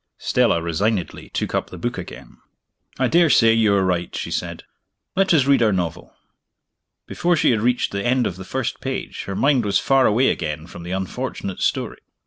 Stella resignedly took up the book again. "I daresay you are right," she said. "Let us read our novel." Before she had reached the end of the first page, her mind was far away again from the unfortunate story.